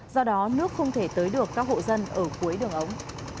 do đó nước không thể tới được các hộ dân ở cuối đường ống